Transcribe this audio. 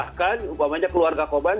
bahkan upamanya keluarga korban